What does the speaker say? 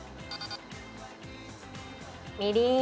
みりん。